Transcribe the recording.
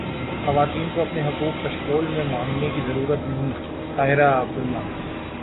خواتین کو اپنے حقوق کشکول میں مانگنے کی ضرورت نہیں طاہرہ عبداللہ